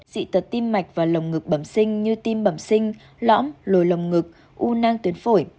dị tật tim mạch và lồng ngực bẩm sinh như tim bẩm sinh lõm lồi lồng ngực u nang tuyến phổi